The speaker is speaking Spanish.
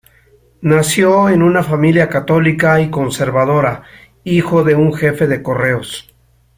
Nació en una familia católica y conservadora, hijo de un jefe de correos.